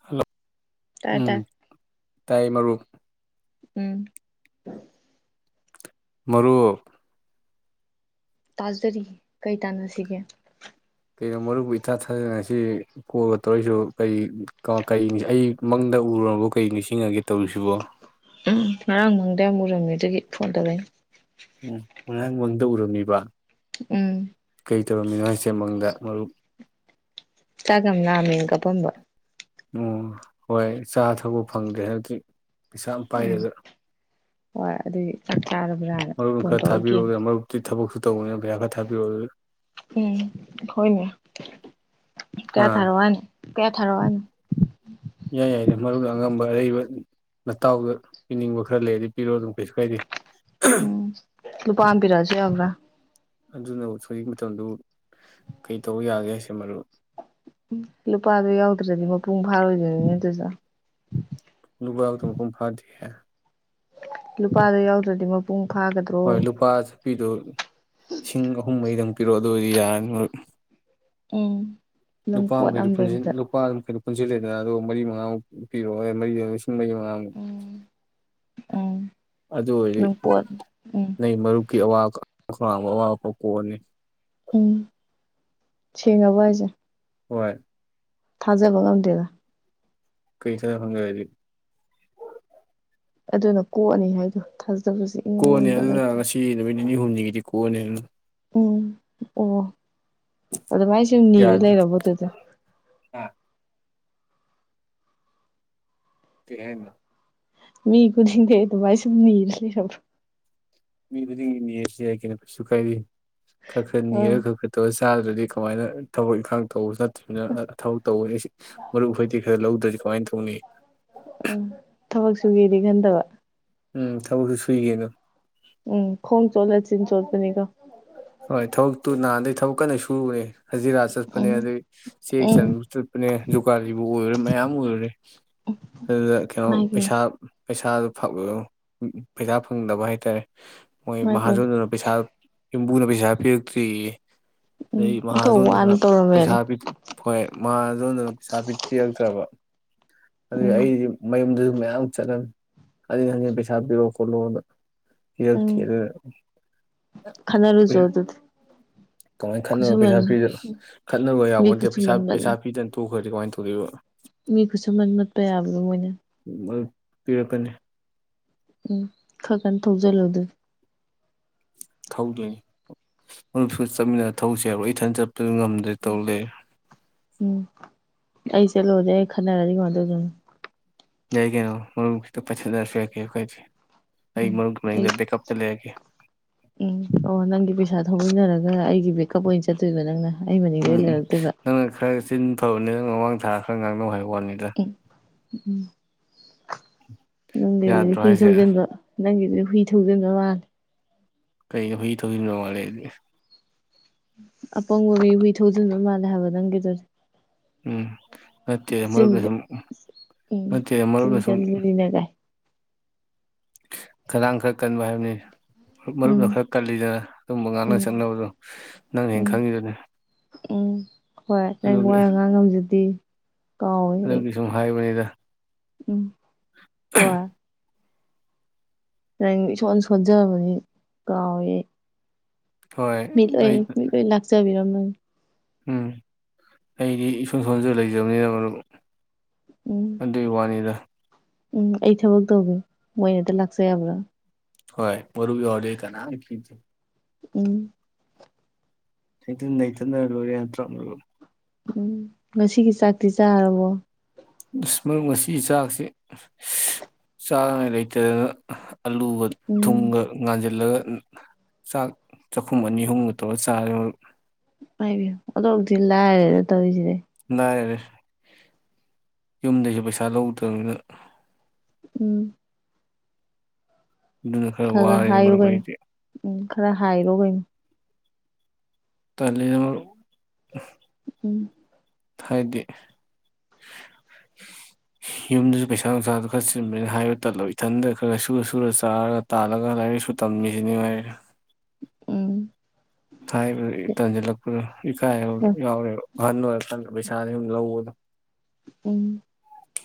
Hello ꯇ ꯇ ꯇꯥꯏꯌꯦ ꯃꯔꯨꯞ ꯎꯝ ꯃꯔꯨꯞ ꯇꯥꯖꯔꯤ ꯀꯩ ꯇꯥꯟꯅꯁꯤꯒꯦ ꯀꯩꯅꯣ ꯃꯔꯨꯞꯕꯨ ꯏꯊꯥ ꯊꯥꯖꯗꯅ ꯉꯁꯤꯗꯤ ꯀꯣꯜꯒ ꯇꯧꯔꯛꯏꯁꯤꯕꯨ ꯀꯔꯤ ꯀꯔꯤ ꯑꯩ ꯃꯪꯗ ꯎꯔꯨꯔꯕꯣ ꯀꯩ ꯅꯤꯡꯁꯤꯡꯉꯒꯦ ꯇꯧꯔꯤꯁꯤꯕꯣ ꯎꯝ ꯉꯔꯥꯡ ꯃꯪꯗ ꯌꯥꯝ ꯎꯔꯝꯃꯤ ꯑꯗꯨꯒꯤ ꯐꯣꯟ ꯇꯧꯔꯛꯏꯅꯤ ꯎꯝ ꯉꯔꯥꯡ ꯃꯪꯗ ꯎꯔꯝꯃꯤꯕ ꯎꯝ ꯀꯩ ꯇꯧꯔꯝꯃꯤꯅꯣ ꯍꯥꯏꯁꯦ ꯃꯪꯗ ꯃꯔꯨꯞ ꯆꯥꯛ ꯌꯥꯝ ꯂꯥꯝꯃꯦꯅ ꯀꯞꯄꯝꯕ ꯑꯣ ꯍꯣꯏ ꯆꯥꯊꯛꯄ ꯐꯪꯗ꯭ꯔꯦ ꯍꯟꯀꯤ ꯄꯩꯁꯥ ꯌꯥꯝ ꯎꯝ ꯄꯥꯏꯔꯦꯗꯅ ꯍꯣꯏ ꯑꯗꯨꯒꯤ ꯆꯥꯔꯕ꯭ꯔꯥꯅ ꯃꯔꯨꯞ ꯐꯣꯟ ꯈꯔ ꯇꯧꯔꯛꯀꯦ ꯊꯥꯕꯤꯔꯛꯑꯣ ꯃꯔꯨꯞꯛꯇꯤ ꯊꯕꯛꯨꯁꯨ ꯇꯧꯕꯅꯤꯅ ꯄꯩꯁꯥ ꯈꯔꯥ ꯊꯥꯕꯤꯔꯛꯑꯣ ꯑꯗꯨꯗꯤ ꯎꯝ ꯍꯣꯏꯅꯦ ꯍꯥ ꯀꯌꯥ ꯊꯥꯔꯛꯑꯣ ꯍꯥꯏꯅꯣ ꯀꯌꯥ ꯊꯔꯛꯑꯣ ꯍꯥꯏꯅꯣ ꯏꯌꯥ ꯌꯥꯏꯗ ꯃꯔꯨꯞꯅ ꯑꯉꯝꯕ ꯑꯔꯩꯕ ꯃꯇꯥꯎꯗ ꯄꯤꯅꯤꯡꯕ ꯈꯔ ꯂꯩꯔꯗꯤ ꯄꯤꯔꯣ ꯑꯗꯨꯝ ꯀꯩꯁꯨ ꯀꯥꯏꯗꯦ ꯎꯝ ꯂꯨꯄꯥ ꯑꯃꯥ ꯄꯤꯔꯛꯑꯁꯨ ꯌ꯭ꯕꯔꯥ ꯑꯗꯨꯅꯕꯨ ꯍꯧꯖꯤꯛ ꯃꯇꯝꯗꯕꯨ ꯀꯩ ꯇꯧꯕ ꯌꯥꯒꯦ ꯍꯥꯏꯁꯦ ꯃꯔꯨꯞ ꯂꯨꯄꯥꯗꯣ ꯌꯥꯎꯗ꯭ꯔꯗꯤ ꯃꯄꯨꯡ ꯐꯥꯔꯣꯏꯗꯔ꯭ꯤꯅꯤꯅꯦ ꯑꯗꯨꯁꯣ ꯂꯨꯄꯥ ꯗꯨꯅ ꯃꯄꯨꯡ ꯐꯗꯦꯌꯦ ꯂꯨꯄꯥꯗ ꯌꯥꯎꯗ꯭ꯔꯗꯤ ꯃꯄꯨꯡ ꯐꯥꯒꯗ꯭ꯔꯣ ꯍꯣꯏ ꯂꯨꯄꯥ ꯆꯠꯄꯤꯗꯣ ꯂꯤꯁꯤꯡ ꯑꯍꯨꯝ ꯃꯔꯤꯗꯪ ꯄꯤꯔꯣ ꯑꯗꯨ ꯑꯣꯏꯗꯤ ꯌꯥꯔꯅꯤ ꯃꯔꯨꯞ ꯎꯝ ꯅꯪ ꯄꯣꯠ ꯑꯃ ꯂꯩꯕꯗ ꯄꯨꯟꯖꯤꯜ ꯂꯦꯗꯅ ꯑꯗꯣ ꯃꯔꯤ ꯃꯉꯥꯃꯨꯛ ꯄꯤꯔꯣ ꯃꯔꯤ ꯂꯤꯁꯤꯡ ꯃꯔꯤ ꯃꯉꯥꯃꯨꯛ꯫ ꯎꯝ ꯎꯝ ꯑꯗꯨ ꯑꯣꯏꯔꯗꯤ ꯅꯪ ꯄꯣꯠ ꯎꯝ ꯅꯩ ꯃꯔꯨꯞꯀꯤ ꯑꯋꯥꯀ ꯈꯧꯔꯥꯡꯕ ꯑꯋꯥꯕ ꯄꯣꯛ ꯀꯣꯛꯑꯅꯤ꯫ ꯎꯝ ꯁꯦꯡꯑꯕꯣ ꯍꯥꯥꯏꯁꯦ꯫ ꯍꯣꯏ꯫ ꯊꯥꯖꯕ ꯉꯝꯗꯦꯗ꯫ [unintelligible] ꯍꯥꯏꯗꯤ ꯑꯗꯨꯅ ꯀꯣꯛꯑꯅꯤ ꯍꯥꯏꯗꯣ ꯊꯥꯖ ꯀꯣꯟꯅꯦ ꯑꯗꯨꯅ ꯉꯁꯤ ꯅꯨꯃꯤꯠ ꯅꯤꯅꯤ ꯍꯨꯝꯅꯤꯒꯤꯗꯤ ꯀꯣꯛꯑꯅꯤ ꯑꯗꯨꯝ꯫ ꯎꯝ ꯑꯣ ꯑꯗꯨ ꯃꯥꯏ ꯁꯨꯝ ꯅꯤꯔ ꯌꯥꯗ꯭ꯔꯦ ꯂꯩꯔꯕꯣ ꯑꯗꯨꯗꯨ꯫ ꯑ ꯀꯩ ꯍꯥꯏꯅꯣ꯫ ꯃꯤ ꯈꯨꯗꯤꯡꯗꯩꯩ ꯑꯗꯨꯃꯥꯏ ꯁꯨꯝ ꯅꯤ ꯂꯩꯔꯕ꯫ ꯃꯤ ꯈꯨꯗꯤꯡꯒꯤ ꯅꯤꯔꯁꯨ ꯌꯥꯏ ꯀꯩꯅꯣ ꯀꯩꯁꯨ ꯀꯥꯏꯗꯦ꯫ ꯈꯔ-ꯈꯔ ꯅꯤꯔ ꯑꯥ ꯈꯔ-ꯈꯔ ꯇꯧꯔ꯫ ꯆꯥꯗ꯭ꯔꯗꯤ ꯀꯃꯥꯏꯅ ꯊꯕꯛ ꯏꯪꯈꯥꯡ ꯇꯧꯕꯁꯨ ꯅꯠ ꯊꯕꯛ ꯇꯧꯋꯤ ꯍꯥꯏꯁꯤ ꯑꯩ ꯃꯔꯨꯞ ꯍꯣꯏꯗꯤ ꯈꯔ ꯂꯧꯗ꯭ꯔꯗꯤ ꯀꯃꯥꯏꯅ ꯇꯧꯅꯤ ꯎꯝ ꯊꯕꯛ ꯁꯨꯒꯦꯗꯤ ꯈꯟꯗꯕ ꯎꯝ ꯊꯕꯛꯁꯨ ꯁꯨꯏꯀꯩꯅꯣ ꯎꯝ ꯈꯣꯡ ꯆꯣꯠꯂ ꯆꯤꯟ ꯆꯣꯠꯄꯅꯤꯀꯣ ꯍꯣꯏ ꯊꯕꯛꯇꯨ ꯅꯍꯥꯟꯗꯩ ꯊꯕꯛ ꯀꯟꯅ ꯁꯨꯔꯨꯔꯦ ꯍꯖꯤꯔꯥ ꯆꯠꯄꯅꯦ ꯎꯝ ꯑꯗꯩ ꯆꯦꯛ ꯎꯝ ꯆꯟꯕ ꯆꯠꯄꯅꯦ ꯖꯨꯒꯥꯥꯂꯤꯕꯨ ꯑꯣꯏꯔꯨꯔꯦ ꯃꯌꯥꯝ ꯑꯣꯏꯔꯨꯔꯦ ꯑꯗꯨꯗ ꯀꯩꯅꯣ ꯃꯥꯏ ꯄꯦꯝ ꯄꯩꯁꯥ ꯄꯩꯁꯥꯗꯨ [unintelligible] ꯄꯩꯁꯥ ꯐꯪꯗꯕ ꯍꯥꯏꯇꯥꯔꯦ ꯃꯣꯏ ꯃꯥꯏ ꯄꯦꯝ ꯃꯍꯥꯖꯣꯟꯗꯨꯅ ꯄꯩꯁꯥ ꯌꯨꯝꯕꯨꯅ ꯄꯩꯁꯥ ꯄꯤꯔꯛꯇ꯭ꯔꯤꯌꯦ ꯎꯝ ꯑꯗꯩ ꯑꯣꯟꯊꯣꯛ ꯃꯍꯥꯖꯣꯟꯗꯨꯅ ꯋꯥꯅ ꯄꯩꯁꯥ ꯇꯧꯔꯝꯃꯦꯅ [unintelligible] ꯍꯣꯏ ꯃꯍꯥꯖꯣꯟꯗꯨꯅ ꯄꯩꯁꯥ ꯄꯤꯕꯤꯔꯛꯇ꯭ꯔꯕ ꯑꯗꯨꯏ ꯎꯝ ꯑꯩꯗꯤ ꯃꯌꯨꯝꯗ ꯃꯌꯥꯝ ꯆꯠꯂꯅꯤ, ꯍꯖꯤꯟ ꯍꯖꯤꯟ ꯄꯩꯁꯥ ꯄꯤꯔꯣ ꯈꯣꯠꯂꯣꯅ [unintelligible] ꯈꯪꯉꯦ ꯑꯦ ꯀꯃꯥꯏꯅ ꯈꯠꯅꯕ ꯄꯩꯁꯥ ꯈꯨꯠꯁꯨꯃꯟꯕ ꯄꯤꯗꯅ ꯈꯠꯅꯕ ꯃꯤ ꯌꯥꯄꯣꯠꯇꯦ ꯄꯩꯁꯥ ꯈꯨꯠꯁꯨꯃꯟꯕꯅ ꯄꯩꯁꯥ ꯄꯤꯗꯅ ꯇꯣꯛ ꯇꯣꯛꯈ꯭ꯔꯗꯤ ꯀꯃꯥꯏ ꯇꯧꯗꯣꯏꯕ ꯃꯤ ꯈꯨꯁꯨꯃꯟ ꯃꯠꯄ ꯌꯥꯕ꯭ꯔꯣ ꯃꯣꯏꯅ ꯃꯔꯨꯞ ꯄꯤꯔꯛꯀꯅꯤ ꯎꯝ ꯈꯔ ꯀꯟꯅ ꯊꯧꯖꯜꯂꯣ ꯑꯗꯨꯗꯤ ꯊꯧꯗꯣꯏꯅꯤ ꯃꯔꯨꯞꯁꯨ ꯆꯠꯃꯤꯟꯅꯔ ꯊꯧꯔꯨꯁꯦ ꯍꯥꯏꯕ꯭ꯔꯣ ꯑꯩ ꯏꯊꯟꯇ ꯆꯠ ꯗꯨ ꯉꯝꯗ꯭ꯔꯦ ꯇꯧ ꯂꯩꯔꯦ ꯎꯝ ꯑꯩ ꯆꯠꯂꯨꯔꯗꯤ ꯑꯩ ꯈꯟꯅꯔꯗꯤ ꯀꯃꯥꯏ ꯑꯗꯨꯗꯨꯅ ꯌꯥꯏ ꯀꯩꯅꯣ ꯃꯔꯨꯞꯀ ꯍꯦꯛꯇ ꯄꯥꯏꯊꯠꯅꯔꯁꯨ ꯀꯩꯝ ꯀꯥꯏꯗꯦ ꯑꯩ ꯎꯝ ꯃꯔꯨꯞ ꯀꯤ ꯑꯩ ꯃꯅꯤꯡꯗ ꯕꯦꯛꯀꯞꯇ ꯂꯩꯔꯛꯀꯦ ꯎꯝ ꯑꯣ ꯅꯪꯒꯤ ꯄꯩꯁꯥ ꯊꯧꯕꯃꯤꯟꯅꯔꯒ ꯑꯩꯒꯤ ꯕꯦꯛꯀꯞ ꯑꯣꯏꯅ ꯆꯠꯇꯣꯏꯕ ꯅꯪꯅ ꯑꯩ ꯃꯅꯤꯡꯗ ꯎꯝ ꯑꯣꯏꯅ ꯎꯝ ꯂꯩꯔꯛꯇꯣꯏꯕ ꯅꯪ ꯅ ꯈꯔꯒ ꯆꯤꯟ ꯐꯕꯅꯦ ꯃꯃꯥꯡ ꯊꯔ ꯈꯔ ꯉꯥꯡꯅꯧ ꯍꯥꯏꯌꯣ ꯋꯥꯅꯤꯗ ꯎꯝ ꯅꯪꯒꯤꯗꯨꯗꯤ ꯌꯥꯗ꯭ꯔꯣ ꯍꯨꯏ ꯍꯥꯏꯁꯦ ꯊꯧꯖꯤꯟꯕ ꯅꯪꯒꯤꯗꯨꯗꯤ ꯍꯨꯏ ꯊꯧꯖꯤꯟꯕ ꯃꯥꯜꯂꯦ ꯀꯩꯅꯣ ꯍꯨꯏ ꯊꯧꯖꯟꯕ ꯃꯥꯂꯦꯗꯤ ꯑꯄꯪꯕ ꯍꯨꯏ ꯍꯨꯏ ꯊꯧꯖꯤꯟꯕ ꯃꯥꯜꯂꯦ ꯍꯥꯏꯕ ꯅꯪꯒꯤꯗꯨꯗꯤ ꯎꯝ ꯅꯠꯇꯦ ꯃꯔꯔ ꯆꯤꯟꯒ ꯄꯁꯨꯝ ꯎꯝ ꯅꯠꯇꯦꯗꯤ ꯆꯤꯟ ꯃꯔꯔꯕꯁꯨꯝ ꯀꯟꯕꯅꯤꯅ ꯒꯥꯏ ꯈꯔꯥꯡ ꯈꯔ ꯀꯟꯕ ꯍꯥꯏꯕꯅꯤ ꯃꯔꯨꯞꯅ ꯎꯝ ꯈꯔ ꯀꯜꯂꯤꯗꯅ ꯑꯗꯨꯕ ꯉꯥꯛꯅ ꯎꯝ ꯆꯠꯅꯕꯗꯣ ꯅꯪꯅ ꯍꯦꯟꯅ ꯎꯝ ꯈꯪꯉꯤꯗꯨꯅꯤ ꯎꯝ ꯍꯣꯏ ꯅꯪ ꯑꯗꯨꯒꯤ ꯋꯥ ꯉꯥꯡ ꯉꯝꯖꯗꯦ ꯑꯗꯨꯒꯤ ꯁꯨꯝ ꯍꯥꯏꯕꯅꯤꯗ ꯎ ꯀꯣꯏ ꯅ ꯏꯁꯣꯟ ꯁꯣꯟꯖꯕꯅꯤ ꯀꯥꯎꯋꯦ ꯍꯣꯏ ꯃꯤꯠꯂꯣꯏ ꯑꯩ ꯃꯤꯂꯣꯏ ꯂꯥꯛꯆꯕꯤꯔꯝꯃ inaudible ꯎꯝ ꯑꯩꯗꯤ ꯏꯁꯣꯟ ꯁꯣꯟꯁꯨ ꯂꯩꯖꯕꯅꯤꯅ ꯑꯗꯨ ꯎꯝ ꯑꯗꯨꯒꯤ ꯋꯥꯅꯤꯗ ꯎꯝ ꯑꯩ ꯊꯕꯛ ꯇꯧꯒꯦ ꯃꯣꯏꯅꯇ ꯂꯥꯛꯆ ꯌꯥꯕ꯭ꯔꯥ ꯍꯣꯏ ꯃꯔꯨꯞ ꯌꯥꯎꯔꯗꯤ ꯀꯥꯟꯝꯃꯥ ꯀꯤꯗꯦ ꯎꯝ ꯅꯇ ꯅꯇꯅ ꯂꯣꯏꯔꯦ ꯇ꯭ꯔꯣ ꯎꯝ ꯉꯁꯤꯒꯤ ꯆꯥꯛꯇꯤ ꯆꯥꯔꯕ‌ꯣ ꯑꯣ ꯑꯁ ꯃꯔꯨꯞ ꯉꯁꯤꯒꯤ ꯆꯥꯛꯁꯦ ꯆꯥꯅꯤꯡꯉꯥꯏ ꯂꯩꯇꯗꯅ ꯑꯂꯨꯒ ꯎꯝ ꯊꯨꯝꯒ ꯉꯥꯟꯁꯤꯜꯂꯒꯥ ꯆꯥꯛ ꯆꯥꯛꯈꯨꯝ ꯑꯅꯤ ꯑꯍꯨꯝꯒ ꯇꯧꯔꯒ ꯆꯥꯔꯦ ꯃꯔꯨꯞ ꯏꯃꯥꯥꯏ ꯄ‌ꯦ‌ꯝꯃꯥ ꯑꫭꯟꯊꫭꯛ ꯊꯤꯅꯥ ꯂꯥꯏꯔꯦꯗ ꯇꯧꯔꯤꯁꯤꯗꯤ ꯂꯥꯏꯔꯔꯦ ꯌꯨꯝꯗꯩꯁꯨ ꯄꯩꯁꯥ ꯂꯧꯗꯕꯅꯤꯅ ꯎꯝ ꯑꯗꯨꯅ ꯈꯔꯥ ꯈꯔ ꯈꯔ ꯋꯥꯔ‌ꯦꯅ‌ꯦ ꯍꯥꯏꯌꯨ ꯃꯔꯨꯞ ꯀꯩꯅꯣ ꯑꯩꯏꯗꯤ ꯎꯝ ꯈꯔ ꯍꯥꯏꯔꯣ ꯀꯩꯅꫭ ꯇꯜꯂꯤꯗ ꯃꯔꯨꯞ ꯎꯝ ꯍꯥꯏꯗꯤ ꯌꯨꯝꯗꯁꯨ ꯄꯩꯁꯥ ꯅꯨꯡꯁꯥꯗ‌ꯣ ꯈꯔ ꯆꯤꯟꯕꯅꯤꯅ ꯍꯥꯏꯕ ꯇꯟꯂꯕꯥ ꯏꯊꯟꯗ ꯈꯔ ꯁꯨꯔ ꯁꯨꯔ ꯆꯥꯔꯒ ꯇꯥꯜꯂꯒ ꯂꯥꯏꯔꯤꯛ ꯂꯥꯏꯁꯨ ꯇꯝꯃꯤꯁꯤꯅꯤꯃꯉꯥꯏꯔꯦ ꯎꯝ ꯍꯥꯏꯕ ꯇꯥꯟꯁꯤꯜꯂꯛꯄꯗꯣ ꯏꯀꯥꯏꯕ ꯌꯥꯎꯔꯦꯕ ꯑꯍꯟ ꯑꫭꯏꯔ [unintelligible] ꯆ ꯄꯩꯁꯥꯗ ꯂ ꯂꯧꯗ [unintelligible] ꯎꯝ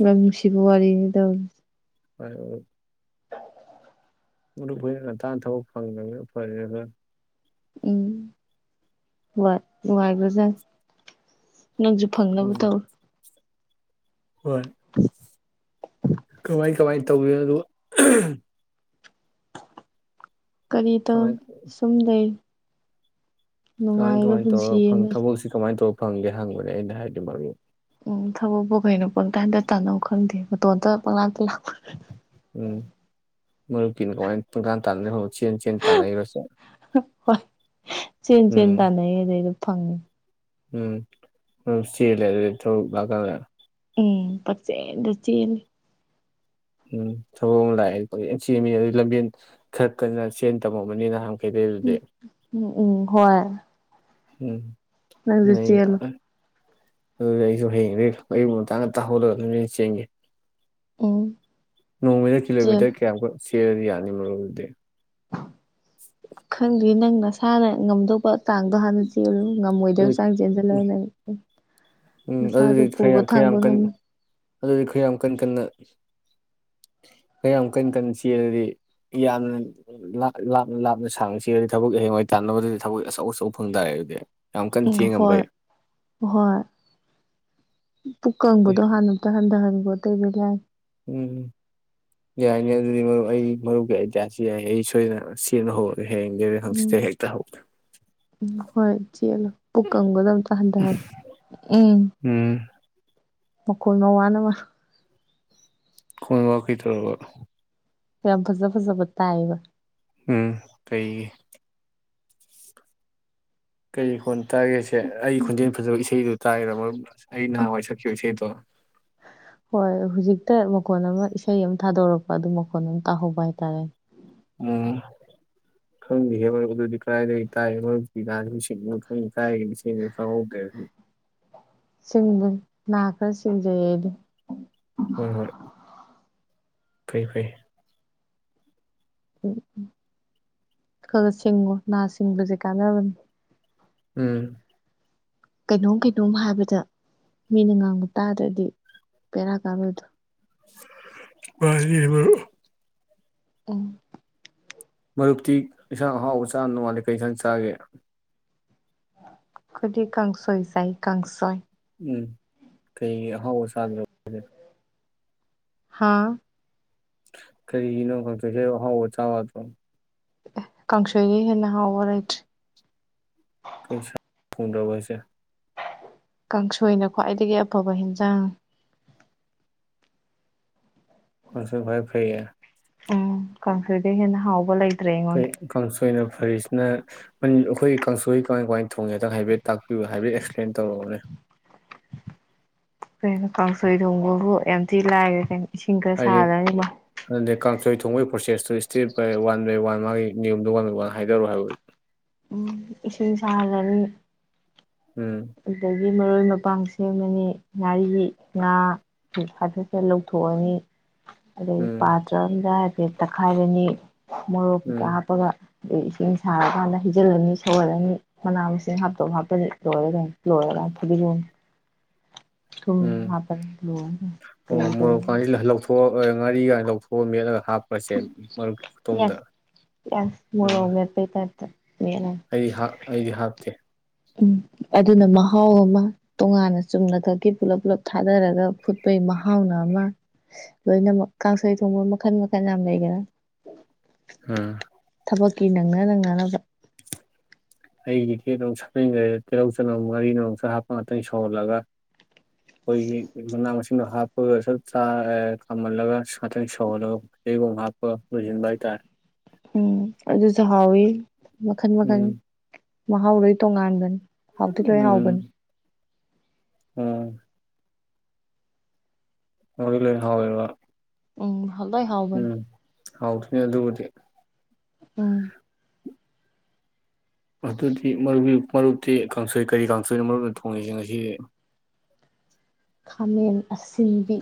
ꯌꯝ ꯅꯨꯡꯁꯤꯕ ꯋꯥꯔꯤꯅꯤ ꯇꯧꯔꯤꯁ‌ꯦ ꯍ [unintelligible] [inaudible] ꯃꯔꯨꯞ ꯍꫭꯏꯅ ꯉꯟꯇꯅꯥ ꯊꯕꯛ ꯐꯪꯉꯕꯅꯤꯅ ꯎꯄꯥꯏ ꯂꯩꯔꯥꯖꯝꯅꯤ ꯎꯝ ꯋꯥꯏ ꯅꯨꯉꯥꯏꯒꯔꯥ ꯖꯥꯠꯅꯤ ꯅꯪꯁꯨ ꯐꯪꯅꯕ ꯎꯝ ꯇꯧ ꯍꯣꯏ꯫ ꯀꯃꯥꯏ ꯀꯃꯥꯏꯅ ꯇꯧꯕꯤ ꯑꯗꯨꯒ ꯀꯔꯤꯇꯧ ꯀꯃꯥꯏ ꯁꯨꯝ ꯂꯩ꯫ ꯀꯃꯥꯏ ꯅꯨꯡꯉꯥꯏꯕ ꯀꯃꯥꯏꯅ ꯄꯨꯟꯁꯤ ꯇꯧꯔꯒ ꯐꯪ ꯑꯃ ꯊꯕꯛꯁꯤ ꯀꯃꯥꯏꯅ ꯇꯧꯔ ꯐꯪꯒꯦ ꯍꯪꯕꯅꯦ ꯑꯩꯅ ꯍꯥꯏꯗꯤ ꯃꯥꯔꯨ ꯎꯝ ꯊꯕꯛꯄꯨ ꯀꯩꯅꯣ ꯄꯪꯇꯥꯟꯗ ꯇꯥꯟꯅꯧ ꯈꯪꯗꯦ ꯃꯇꯣꯟꯇ ꯄꯪꯂꯥꯛꯇ ꯂꯥꯛꯄ ꯃꯔꯨꯞꯀꯤꯅꯀꯃꯥꯏꯅ ꯄꯪ ꯇꯥꯥꯟ ꯇꯥꯟꯅ ꯍꯧ ꯆꯦꯟ ꯆꯦꯟ ꯍ ꯇꯥꯟꯅꯩꯔꯣ ꯍ ꯆꯦꯟ-ꯆꯦꯟ ꯎꯝ ꯇꯥꯅꯩ ꯑꯗꯨꯏꯗꯨ꯫ ꯐꯪꯉꯤ ꯎꯝ ꯆꯦꯜꯂꯦ ꯑꯗꯨꯗꯤ ꯊꯔꯨꯛ ꯂꯥꯛꯀꯥꯟꯗ꯫ ꯎꯝ ꯄꯛꯆꯦꯟꯗ ꯆꯦꯜꯂꯦ꯫ ꯎꯝ ꯊꯕꯃ ꯂꯥꯛꯑꯦ ꯄꯪꯆꯦꯟ ꯆꯦꯟꯃꯤ ꯑꯗꯨ ꯂꯝꯕꯦꯟ ꯈꯔ ꯀꯟꯅ ꯆꯦꯟ ꯇꯝꯃꯕꯅꯤꯅ ꯍꯪ ꯈꯦꯗꯦꯗꯨꯗꯤ ꯎꯝ ꯎꯝ ꯎꯝ ꯍꯣꯏ꯫ ꯎꯝ ꯅꯪꯁꯨ ꯅꯩ ꯑ ꯆꯦꯜꯂꯨ ꯑꯗꯨꯗꯤ ꯑꯩꯁꯨ ꯍꯌꯦꯡꯗꯩ ꯑꯌꯨꯛ ꯉꯟꯇꯥ-ꯉꯟꯇꯥ ꯍꯧꯒꯠꯂꯒ ꯂꯝꯖꯦꯟ ꯆꯦꯡꯒꯦ꯫ ꯎꯝ ꯅꯣꯡꯃꯩꯅ ꯆꯦꯜꯂꯨ ꯀꯤꯂꯣꯃꯤꯇꯔ ꯀꯌꯥꯃꯨꯛ ꯆꯦꯜꯂꯗꯤ ꯌꯥꯅꯤ ꯃꯔꯣ ꯑꯗꯨꯗꯤ ꯈꯪꯗꯦ ꯅꯪ ꯅꯁꯥꯅ ꯉꯝꯗꯧꯕ ꯆꯥꯡꯗꯣ ꯍꯥꯟꯅ ꯆꯦꯜꯂꯨ ꯑꯗꯨ ꯉꯝꯃꯣꯏꯗꯕ ꯆꯥꯡ ꯆꯦꯟꯁꯤꯜꯂꯅ ꯎꯝ ꯑꯗꯨꯗꯤ ꯈ ꯈ ꯌꯥꯝ ꯀꯟꯅ ꯉꯝꯃꯣꯏ ꯑꯗꯨꯗꯤ ꯈꯌꯥꯝ ꯀꯟ ꯀꯟꯅ ꯈꯌꯥꯝ ꯀꯟ ꯀꯟꯅ ꯆꯦꯔꯗꯤ ꯌꯥꯝꯅ ꯂꯥꯞꯅ ꯂꯥꯞꯅ ꯁꯥꯡꯅ ꯆꯦꯔꯗꯤ ꯊꯕꯛ ꯑꯍꯦꯡꯋꯥꯏ ꯇꯥꯟꯅꯕꯗꯗꯤ ꯊꯕꯛ ꯑꯆꯧ ꯑꯆꯧꯕ ꯐꯪ ꯇꯥꯔꯦ ꯑꯗꯨꯗꯤ ꯌꯥꯝ ꯀꯟꯅ ꯏ ꯆꯦꯟ ꯍꯣꯏ ꯉꯝꯕꯩ ꯍꯣꯏ ꯄꯨꯀꯪꯕꯗꯣ ꯍꯥꯟꯅ ꯑꯝꯇ ꯍꯟꯊꯍꯟꯒꯦ ꯒꯣꯗꯕꯤꯂ ꯎꯝ ꯌꯥꯏꯅꯦ ꯑꯗꯨꯗꯤ ꯃꯔꯨꯞ ꯑꯩ ꯃꯔꯨꯞꯀꯤ ꯑꯥꯏꯗꯤꯌꯥꯁꯤ ꯌꯥꯏ ꯑꯩ ꯁꯣꯏꯗ ꯁꯦꯟꯅ ꯍꯧꯔꯦ ꯍꯌꯦꯡꯗꯩꯔ ꯍꯪꯆꯤꯠꯇꯩꯔ ꯎꯝ ꯍꯦꯛꯇ ꯍ ꯎꯝ ꯍꯣꯏ ꯆꯦꯜꯂꯨ ꯄꯨꯛ ꯀꯪꯕꯗꯨ ꯑꯝꯇ ꯍꯟꯗꯍꯜꯂꯨ ꯎꯝ ꯎꯝ ꯃꯈꯨꯜ ꯃ ꯋꯥꯅ ꯈꯕ ꯀꯩꯇꯔꯕ ꯌꯥꯝ ꯐꯖ ꯐꯖꯕ ꯇꯥꯏꯕ ꯎꯝ ꯀꯩꯒꯤ ꯀꯔꯤ ꯀꯣꯟ ꯇꯥꯒꯦꯁꯦ ꯑꯩꯒꯤ ꯈꯣꯟꯖꯦꯜ ꯐꯖꯕ ꯏꯁꯩꯗꯨ ꯇꯥꯢꯔ ꯃꯔ ꯑꯩ ꯑ ꯅꯍꯥꯟꯋꯥꯏ ꯁꯛꯈꯤꯕꯥ ꯏꯁꯩꯗꯣ ꯍꯣꯏ ꯍꯧꯖꯤꯛꯇ ꯃꯈꯣꯟ ꯑꯃ ꯏꯁꯩ ꯑꯃ ꯊꯥꯗꯣꯔꯛꯄ ꯑꯗꯨ ꯃꯈꯣꯟ ꯑꯃ ꯇꯥꯍꯧꯕ ꯍꯥꯏꯇꯥꯔꯦ ꯎꯝ ꯈꯪꯗꯦꯕꯣ ꯑꯗꯨꯗꯤ ꯀꯗꯥꯥꯏꯗꯒꯤ ꯇꯥꯏ ꯃꯔꯛꯇꯤꯅꯣ ꯈꯪ ꯀꯥꯏꯒ ꯈꯪꯍꯧꯗꯦ ꯁꯤꯡꯕ ꯅꯥ ꯈꯔ ꯁꯤꯡꯖꯩꯌꯦ ꯑꯗꯨ ꯍꯣꯏ ꯍꯣꯏ ꯐꯩ ꯐꯩ ꯈꯔꯥ ꯁꯤꯡꯉꯣ ꯅꯥ ꯁꯤꯡꯕꯁꯦ ꯀꯥꯟꯅꯕꯅꯤ ꯎꯝ ꯀꯩꯅꯣꯝ ꯀꯩꯅꯣꯝ ꯍꯥꯏꯕꯗ ꯃꯤꯅ ꯉꯥꯡꯕ ꯇꯥꯗ꯭ꯔꯗꯤ ꯕꯦꯔꯥ ꯀꯥꯔꯣꯏꯗꯣ ꯃꯟꯅꯦꯕꯥ ꯑꯣ ꯃꯔꯨꯞꯇꯤ ꯏꯟꯁꯥꯡ ꯑꯍꯥꯎꯕ ꯆꯥ ꯅꯣꯡꯉꯥꯂ ꯀꯩ ꯏꯟꯁꯥꯡ ꯆꯥꯒꯦ ꯈꯗꯤ ꯀ ꯀꯥꯡꯁꯣꯏ ꯆꯥꯏ ꯀ ꯀꯥꯡꯁꯣꯏ ꯎꯝ ꯀꯩ ꯍꯥꯎꯕ ꯍꯥꯥ ꯀꯔꯤꯒꯤꯅꯣ ꯀꯥꯡꯁꯣꯏ ꯆꯥꯏꯕꯣ ꯍꯥꯎꯕ ꯆꯥꯎ ꯌꯥꯗꯔꯣ ꯀꯥꯡꯁꯣꯏꯗꯒꯤ ꯍꯦꯟꯅ ꯍꯥꯎꯕ ꯂꯩꯠꯔꯦ ꯀꯩꯁꯥ ꯐꯟꯗꯕꯁꯦ ꯀꯥꯡꯁꯣꯏꯅ ꯈ꯭ꯋꯥꯏꯗꯒꯤ ꯑꯐꯕ ꯌꯦꯟꯁꯥꯡ ꯀꯥꯡꯁꯣꯏ ꯈꯨꯏ ꯐꯩꯌꯦ ꯎꯝ ꯀꯥꯡꯁꯣꯏꯗꯩꯩ ꯍꯦꯟꯅ ꯍꯥꯎꯕ ꯂꯩ ꯀꯩ ꯀꯥꯡꯁꯣꯏꯅ ꯐꯔꯤꯁꯤꯅ ꯑꯩꯈꯣꯏ ꯀꯥꯡꯁꯣꯏꯒꯤ ꯀꯃꯥꯏ ꯀꯃꯥꯏ ꯊꯣꯡꯒꯦ ꯍꯥꯏꯐꯦꯠ ꯇꯥꯛꯄꯤꯌꯨ ꯍꯥꯏꯐꯦꯠ ꯑꯦꯛꯁꯄ꯭ꯂꯦꯟ ꯇꯧꯔꯛꯑꯣꯅꯦ ꯀꯩꯅꯣ ꯀꯥꯡꯁꯣꯏ ꯊꯣꯡꯕꯕꯨ ꯌꯥꯝ ꯊꯤ ꯂꯥꯏꯔꯦ ꯀꯩꯅꯣ ꯏꯁꯤꯡ ꯈꯔꯥ ꯁꯍꯜꯂꯅꯤ ꯀꯩ ꯊꯣꯡ ꯄꯔꯣꯁꯦꯁꯇ꯭ꯣ step by one by one ꯃꯥꯒꯤ ꯅꯤꯌꯣꯝꯗꯨꯣ ꯋꯥꯟ ꯕꯥꯏ ꯋꯥꯅ ꯍꯥꯏꯗꯔꯣ ꯍꯥꯏꯕ ꯎꯝ ꯏꯁꯤꯡ ꯁꯥꯍꯜꯂꯅꯤ ꯎꯝ ꯑꯗꯩꯩ ꯃꯔꯣꯏ ꯃꯄꯥꯡ ꯁꯦꯝꯃꯅꯤ ꯉꯥꯔꯤ ꯉꯥ ꯍꯥꯏꯐꯦꯠ ꯐꯦꯠ ꯂꯧꯊꯣꯛꯑꯅꯤ ꯑꯗꯩꯩ ꯎꯝ ꯄꯇꯔꯥ ꯑꯃꯗ ꯇꯦ ꯇꯛꯈꯥꯏꯔꯅꯤ ꯃꯣꯔꯣꯛ ꯀꯩꯀꯥ ꯎꯝ ꯍꯞꯄꯒ ꯑꯗꯩ ꯏꯁꯤꯡ ꯁꯥꯔꯀꯥꯟꯗ ꯍꯩꯖꯤꯜꯂꯅꯤ ꯁꯧꯍꯜꯂꯅꯤ ꯃꯅꯥ ꯃꯁꯤꯡ ꯍꯥꯞꯇꯧ ꯍꯞꯄꯅꯤ ꯂꯣꯏꯔꯦ ꯀꯩꯅꯣ ꯂꯣꯏꯔꯒꯥ ꯐꯗꯤꯒꯣꯝ ꯊ ꯎꯝ ꯍꯥꯄꯅꯤ ꯂꯣꯏꯔꯅꯤ ꯀꯔꯤ ꯇꯧꯔꯨꯅꯤ ꯉꯥꯔꯤꯒꯥꯏꯅ ꯂꯧꯊꯣꯛꯑ ꯃꯦꯠꯂꯒ ꯍꯥꯞꯄ꯭ꯔꯁꯦ ꯃꯔꯨꯞꯀꯤ ꯈꯨꯇꯣꯡꯗ ꯄꯤꯌꯥꯁ ꯄꯤꯌꯥꯁ ꯎꯝ ꯃꯣꯔꯣꯛ ꯃꯦꯠꯄꯩ ꯇꯥꯏꯞꯇ ꯃꯦꯠꯂꯅꯤ ꯑꯩꯗꯤ ꯑꯩꯗꯤ ꯍꯥꯞꯇꯦ ꯎꯝ ꯑꯗꯨꯅ ꯃꯍꯥꯎ ꯑꯃ ꯇꯣꯉꯥꯟꯅ ꯆꯨꯝꯅ ꯈꯛꯀꯤ ꯄꯨꯂꯞ ꯄꯨꯜꯂꯞ ꯊꯥꯗꯔꯒ ꯐꯨꯠ ꯇ ꯃꯍꯥꯎꯅꯥꯃ ꯂꯣꯏꯅꯃꯛ ꯀꯥꯡꯁꯩ ꯊꯣꯡꯕ ꯃꯈꯟ ꯃꯈꯜ ꯌꯥꯝ ꯂꯩꯒꯦꯔꯥ ꯑꯝ ꯀ ꯅꯉ ꯅ ꯉꯅ ꯑꯩꯒꯤ ꯦꯠ ꯑꯃꯛ ꯁꯛꯟꯈ꯭ꯔꯦ ꯇꯤꯜꯍꯧ ꯆꯅꯧꯨꯛ ꯉꯥꯔꯤꯅ ꯑꯃꯨꯛꯁꯨ ꯍꯥꯞꯄ ꯉꯥꯛꯇꯪ ꯁꯧꯍꯜꯂꯒ ꯑꯩꯈꯣꯏꯒꯤ ꯂꯅꯥ ꯃꯁꯤꯡꯗꯣ ꯍꯥꯞꯄꯒꯁꯨ ꯆ ꯈꯥꯝꯍꯜꯂꯒ ꯉꯥꯛꯇꯪ ꯁꯧꯍꯜꯂꯒ ꯀꯩꯊꯩꯒꯛ ꯍꯥꯞꯄꯒ ꯂꯣꯏꯁꯤꯟꯕ ꯍꯥꯏꯇꯥꯔꯦ ꯎꯝ ꯑꯗꯨ ꯑꯗꯨꯁꯨꯍꯥꯎꯋꯏ ꯃꯈꯟ ꯃꯈꯟ ꯎꯝ ꯃꯍꯥ ꯎꯔꯩ ꯇꯣꯡ ꯉꯥꯟꯗꯅꯤ ꯍꯥꯎꯗꯤ ꯂꯣꯏ ꯍꯥꯎꯒꯅꯤ ꯎꯝ ꯃ ꯂꯩ ꯍ ꯋꯥ ꯎꯝ ꯂꯣꯏ ꯍꯥꯎꯕꯅꯤ ꯎꯝ ꯍꯥꯎꯁꯨꯅꯦ ꯑꯗꯨꯕꯨꯗꯤ ꯑ ꯑꯗꯨꯗꯤ ꯃꯔꯨ ꯃꯔꯨꯞꯇꯤ ꯀꯥꯡꯁꯣꯏ ꯀꯔꯤ ꯀꯥꯡꯁꯣꯏꯅꯣ ꯃꯔꯨꯞꯅ ꯊꯣꯡꯉꯤꯁꯤꯦ ꯉꯁꯤ ꯈꯥꯃꯦꯟ ꯑꯁꯤꯟꯕꯤ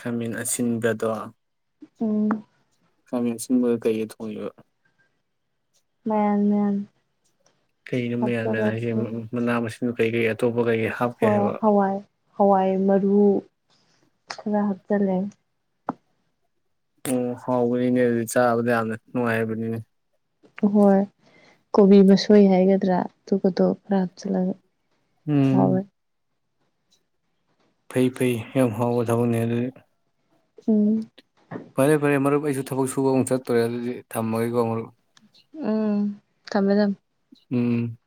ꯈꯥꯃꯟ ꯑꯁꯤꯟꯕꯗꯣ ꯎꯝ ꯈꯃꯤꯁꯤꯕ ꯀꯩꯌꯦ ꯊꯣꯡꯉꯕ ꯃꯟ ꯃꯟ ꯀꯩꯅꯣ ꯃꯌꯥ ꯃꯌꯥꯅ ꯍꯥꯏꯁꯦ ꯃꯅꯥ ꯃꯁꯤꯡ ꯀꯩ ꯀꯩ ꯍꯣꯏ ꯍꯋꯥꯏ ꯍꯋꯥꯏ ꯃꯔꯨ ꯈꯔ ꯍꯥꯠ ꯆꯂꯦ ꯑꯣꯝ ꯍꯥꯎꯕꯅꯤꯅꯦ ꯑꯗꯨꯗꯤ ꯆꯥꯕꯗ ꯌꯥꯝꯅ ꯅꯨꯡꯉꯥꯏꯕꯅꯤꯅꯦ ꯍꯣꯏ ꯀꯣꯕꯤ ꯃꯁꯣꯏ ꯍꯥꯏꯒꯗ꯭ꯔꯥ ꯑꯗꯨꯒꯗꯣ ꯈꯔ ꯍꯥꯞꯆꯜꯂꯒ ꯎꯝ ꯐꯩ ꯐꯩ ꯌꯥꯝ ꯍꯥꯎꯕ ꯊꯕꯅꯤ ꯑꯗꯨ ꯎꯝ ꯐꯔꯦ ꯐꯔꯦ ꯃꯔꯨꯞ ꯑꯩꯁꯨ ꯊꯕꯛ ꯁꯨꯕ ꯑꯃꯨꯛ ꯆꯠꯇꯣꯔꯦ ꯑꯗꯨꯗꯤ ꯊꯝꯃꯒꯦꯀꯣ ꯃꯔꯨꯞ ꯎꯝ ꯊꯝꯃꯦ ꯊꯝ ꯎꯝ